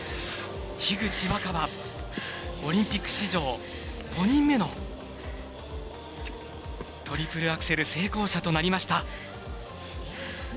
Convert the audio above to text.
樋口新葉、オリンピック史上５人目のトリプルアクセル成功者となりました。